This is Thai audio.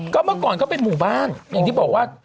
ก็เมื่อก่อนเขาเป็นหมู่บ้านอย่างที่บอกว่า